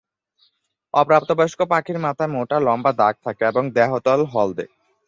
অপ্রাপ্তবয়স্ক পাখির মাথায় মোটা লম্বা দাগ থাকে এবং দেহতল হলদে।